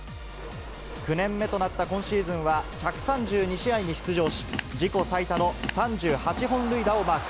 ９年目となった今シーズンは、１３２試合に出場し、自己最多の３８本塁打をマーク。